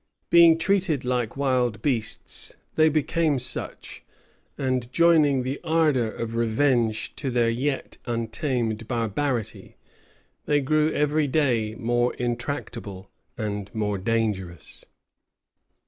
Being treated like wild beasts, they became such; and joining the ardor of revenge to their yet untamed barbarity, they grew every day more intractable and more dangerous.